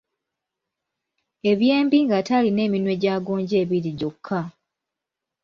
Ebyembi ng’ate alina eminwe gya gonja ebiri gyokka.